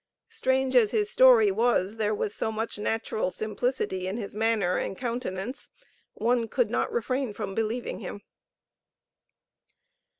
Strange as his story was, there was so much natural simplicity in his manner and countenance, one could not refrain from believing him."